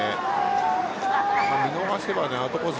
見逃せばアウトコース